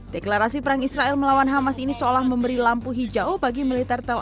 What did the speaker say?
deklarasi perang israel melawan hamas ini seolah memberi lampu hijau bagi militer telpon